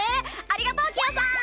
ありがとうキヨさん！